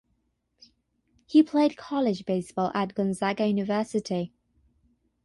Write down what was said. He played college baseball at Gonzaga University.